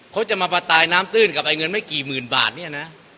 เขาจะมาประตายน้ำตื้นกับไอ้เงินไม่กี่หมื่นบาทเนี่ยนะ